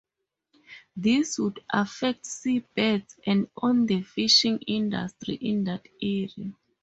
This would affect sea birds and on the fishing industry in that area.